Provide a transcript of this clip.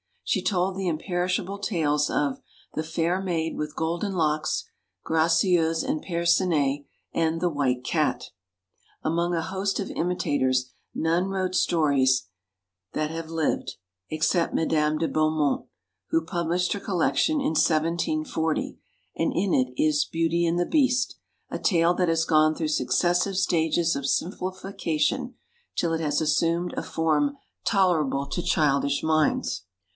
She told the imperish able tales of 'The Fair Maid with Golden Locks,' 'Gracieuse and Percinet,' and 'The White Cat.' Among a host of imitators none wrote stories that have lived, except Madame de Beaumont, who pub lished her collection in 1740, and in it is ' Beauty and the Beast,' a tale that has gone through suc cessive stages of simplification, till it has assumed a form tolerable to childish minds.